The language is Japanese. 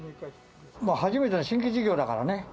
まあ、初めての新規事業だからね。